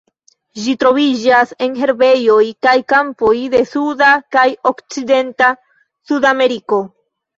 Ĝi troviĝas en herbejoj kaj kampoj de suda kaj okcidenta Sudameriko.